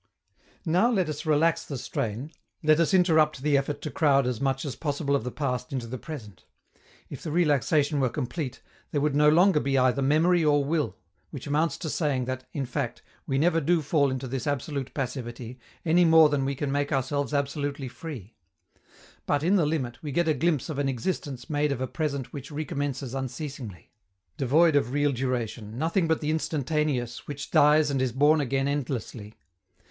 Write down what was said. Now let us relax the strain, let us interrupt the effort to crowd as much as possible of the past into the present. If the relaxation were complete, there would no longer be either memory or will which amounts to saying that, in fact, we never do fall into this absolute passivity, any more than we can make ourselves absolutely free. But, in the limit, we get a glimpse of an existence made of a present which recommences unceasingly devoid of real duration, nothing but the instantaneous which dies and is born again endlessly.